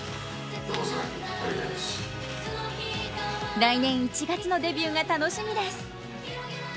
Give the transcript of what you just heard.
来年１月のデビューが楽しみです